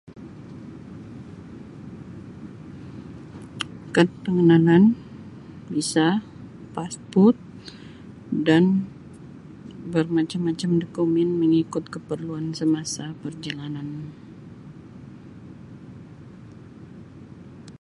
Kad pengenalan, visa, pasport dan bermacam-macam dokumen mengikut keperluan semasa perjalanan.